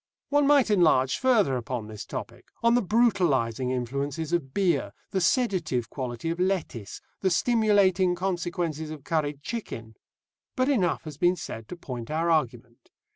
One might enlarge further upon this topic, on the brutalising influence of beer, the sedative quality of lettuce, the stimulating consequences of curried chicken; but enough has been said to point our argument.